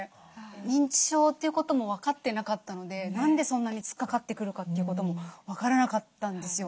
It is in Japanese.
認知症ということも分かってなかったので何でそんなに突っかかってくるかということも分からなかったんですよ。